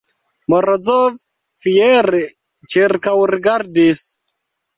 Morozov fiere ĉirkaŭrigardis.